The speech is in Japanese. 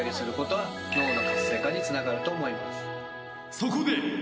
そこで。